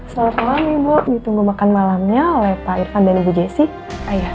selamat malam ibu ditunggu makan malamnya oleh pak irfan dan ibu jessi